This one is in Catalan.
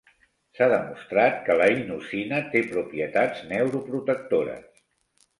S'ha demostrat que la inosina té propietats neuroprotectores.